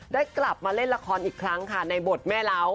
ได้กลับมาเล่นละครอีกครั้งค่ะในบทแม่เล้า